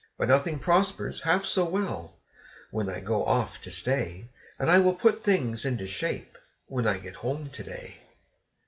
But nothing prospers half so well when I go off to stay, And I will put things into shape, when I get home to day.